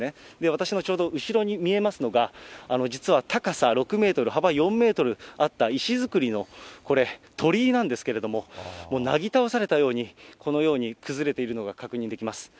私のちょうど後ろに見えますのが、実は高さ６メートル、幅４メートルあった石造りの、これ、鳥居なんですけれども、もうなぎ倒されたように、このように崩れているのが確認できます。